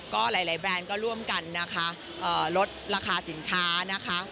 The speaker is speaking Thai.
ก็ระยะแบรนด์ก็ร่วมกันลดราคาสินค้านะคะ